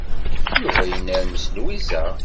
Yuba yennermes Lwiza.